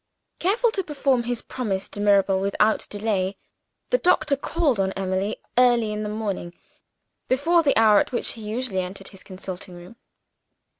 Careful to perform his promise to Mirabel, without delay, the doctor called on Emily early in the morning before the hour at which he usually entered his consulting room.